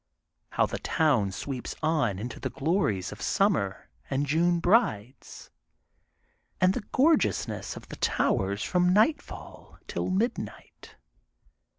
HOW THE TOWN SWEEPS ON INTO THE GLORIES OF SUMMER AND JUNE BRIDES AND THE OORG EOUSNESS OF THE TOWERS FROM NIGHTFALL TILL MIDNIGHT.